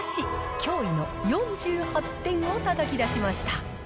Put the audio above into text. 驚異の４８点をたたき出しました。